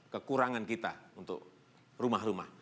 kekurangan kita untuk rumah rumah